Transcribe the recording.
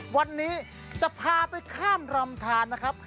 วันนี้จะพาไปข้ามรำทานนะครับ